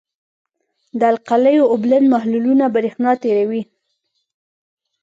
د القلیو اوبلن محلولونه برېښنا تیروي.